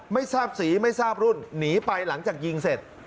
ไม่ทราบสีไม่ทราบรุ่นหนีไปหลังจากยิงเสร็จ